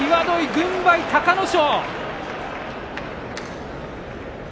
軍配は隆の勝。